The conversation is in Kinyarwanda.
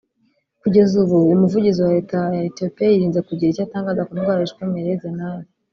Kugeza ubu Umuvugizi wa Leta ya Ethiopia yirinze kugira icyo atangaza ku ndwara yishe Meles Zenawi